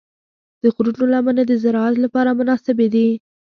د غرونو لمنې د زراعت لپاره مناسبې دي.